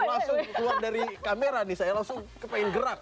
langsung keluar dari kamera nih saya langsung kepengen gerak